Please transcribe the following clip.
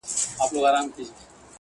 o افسوس كوتر نه دى چي څوك يې پـټ كړي.